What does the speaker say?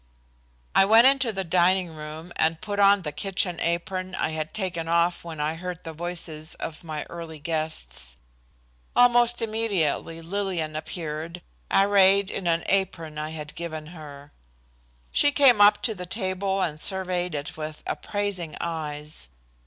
I went into the dining room and put on the kitchen apron I had taken off when I heard the voices of my early guests. Almost immediately Lillian appeared arrayed in the apron I had given her. She came up to the table and surveyed it with appraising eyes.